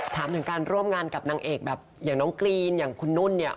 ถามถึงการร่วมงานกับนางเอกแบบอย่างน้องกรีนอย่างคุณนุ่นเนี่ย